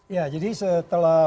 ya jadi setelah